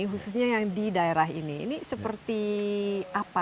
khususnya yang di daerah ini ini seperti apa